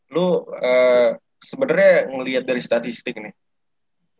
lu sebenernya ngeliat dari statistik nih